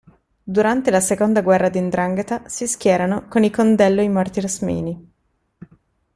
Durante la seconda guerra di 'Ndrangheta si schierano con i Condello-Imerti-Rosmini.